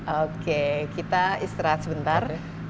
oke kita istirahat sebentar